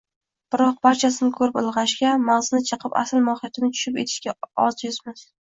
Biroq barchasini ko`rib ilg`ashga, mag`zini chaqib, asl mohiyatini tushunib etishga ojizmiz